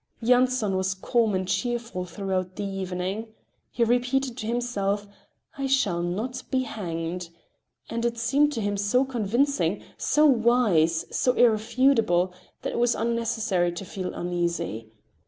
Yanson was calm and cheerful throughout the evening. He repeated to himself, "I shall not be hanged," and it seemed to him so convincing, so wise, so irrefutable, that it was unnecessary to feel uneasy.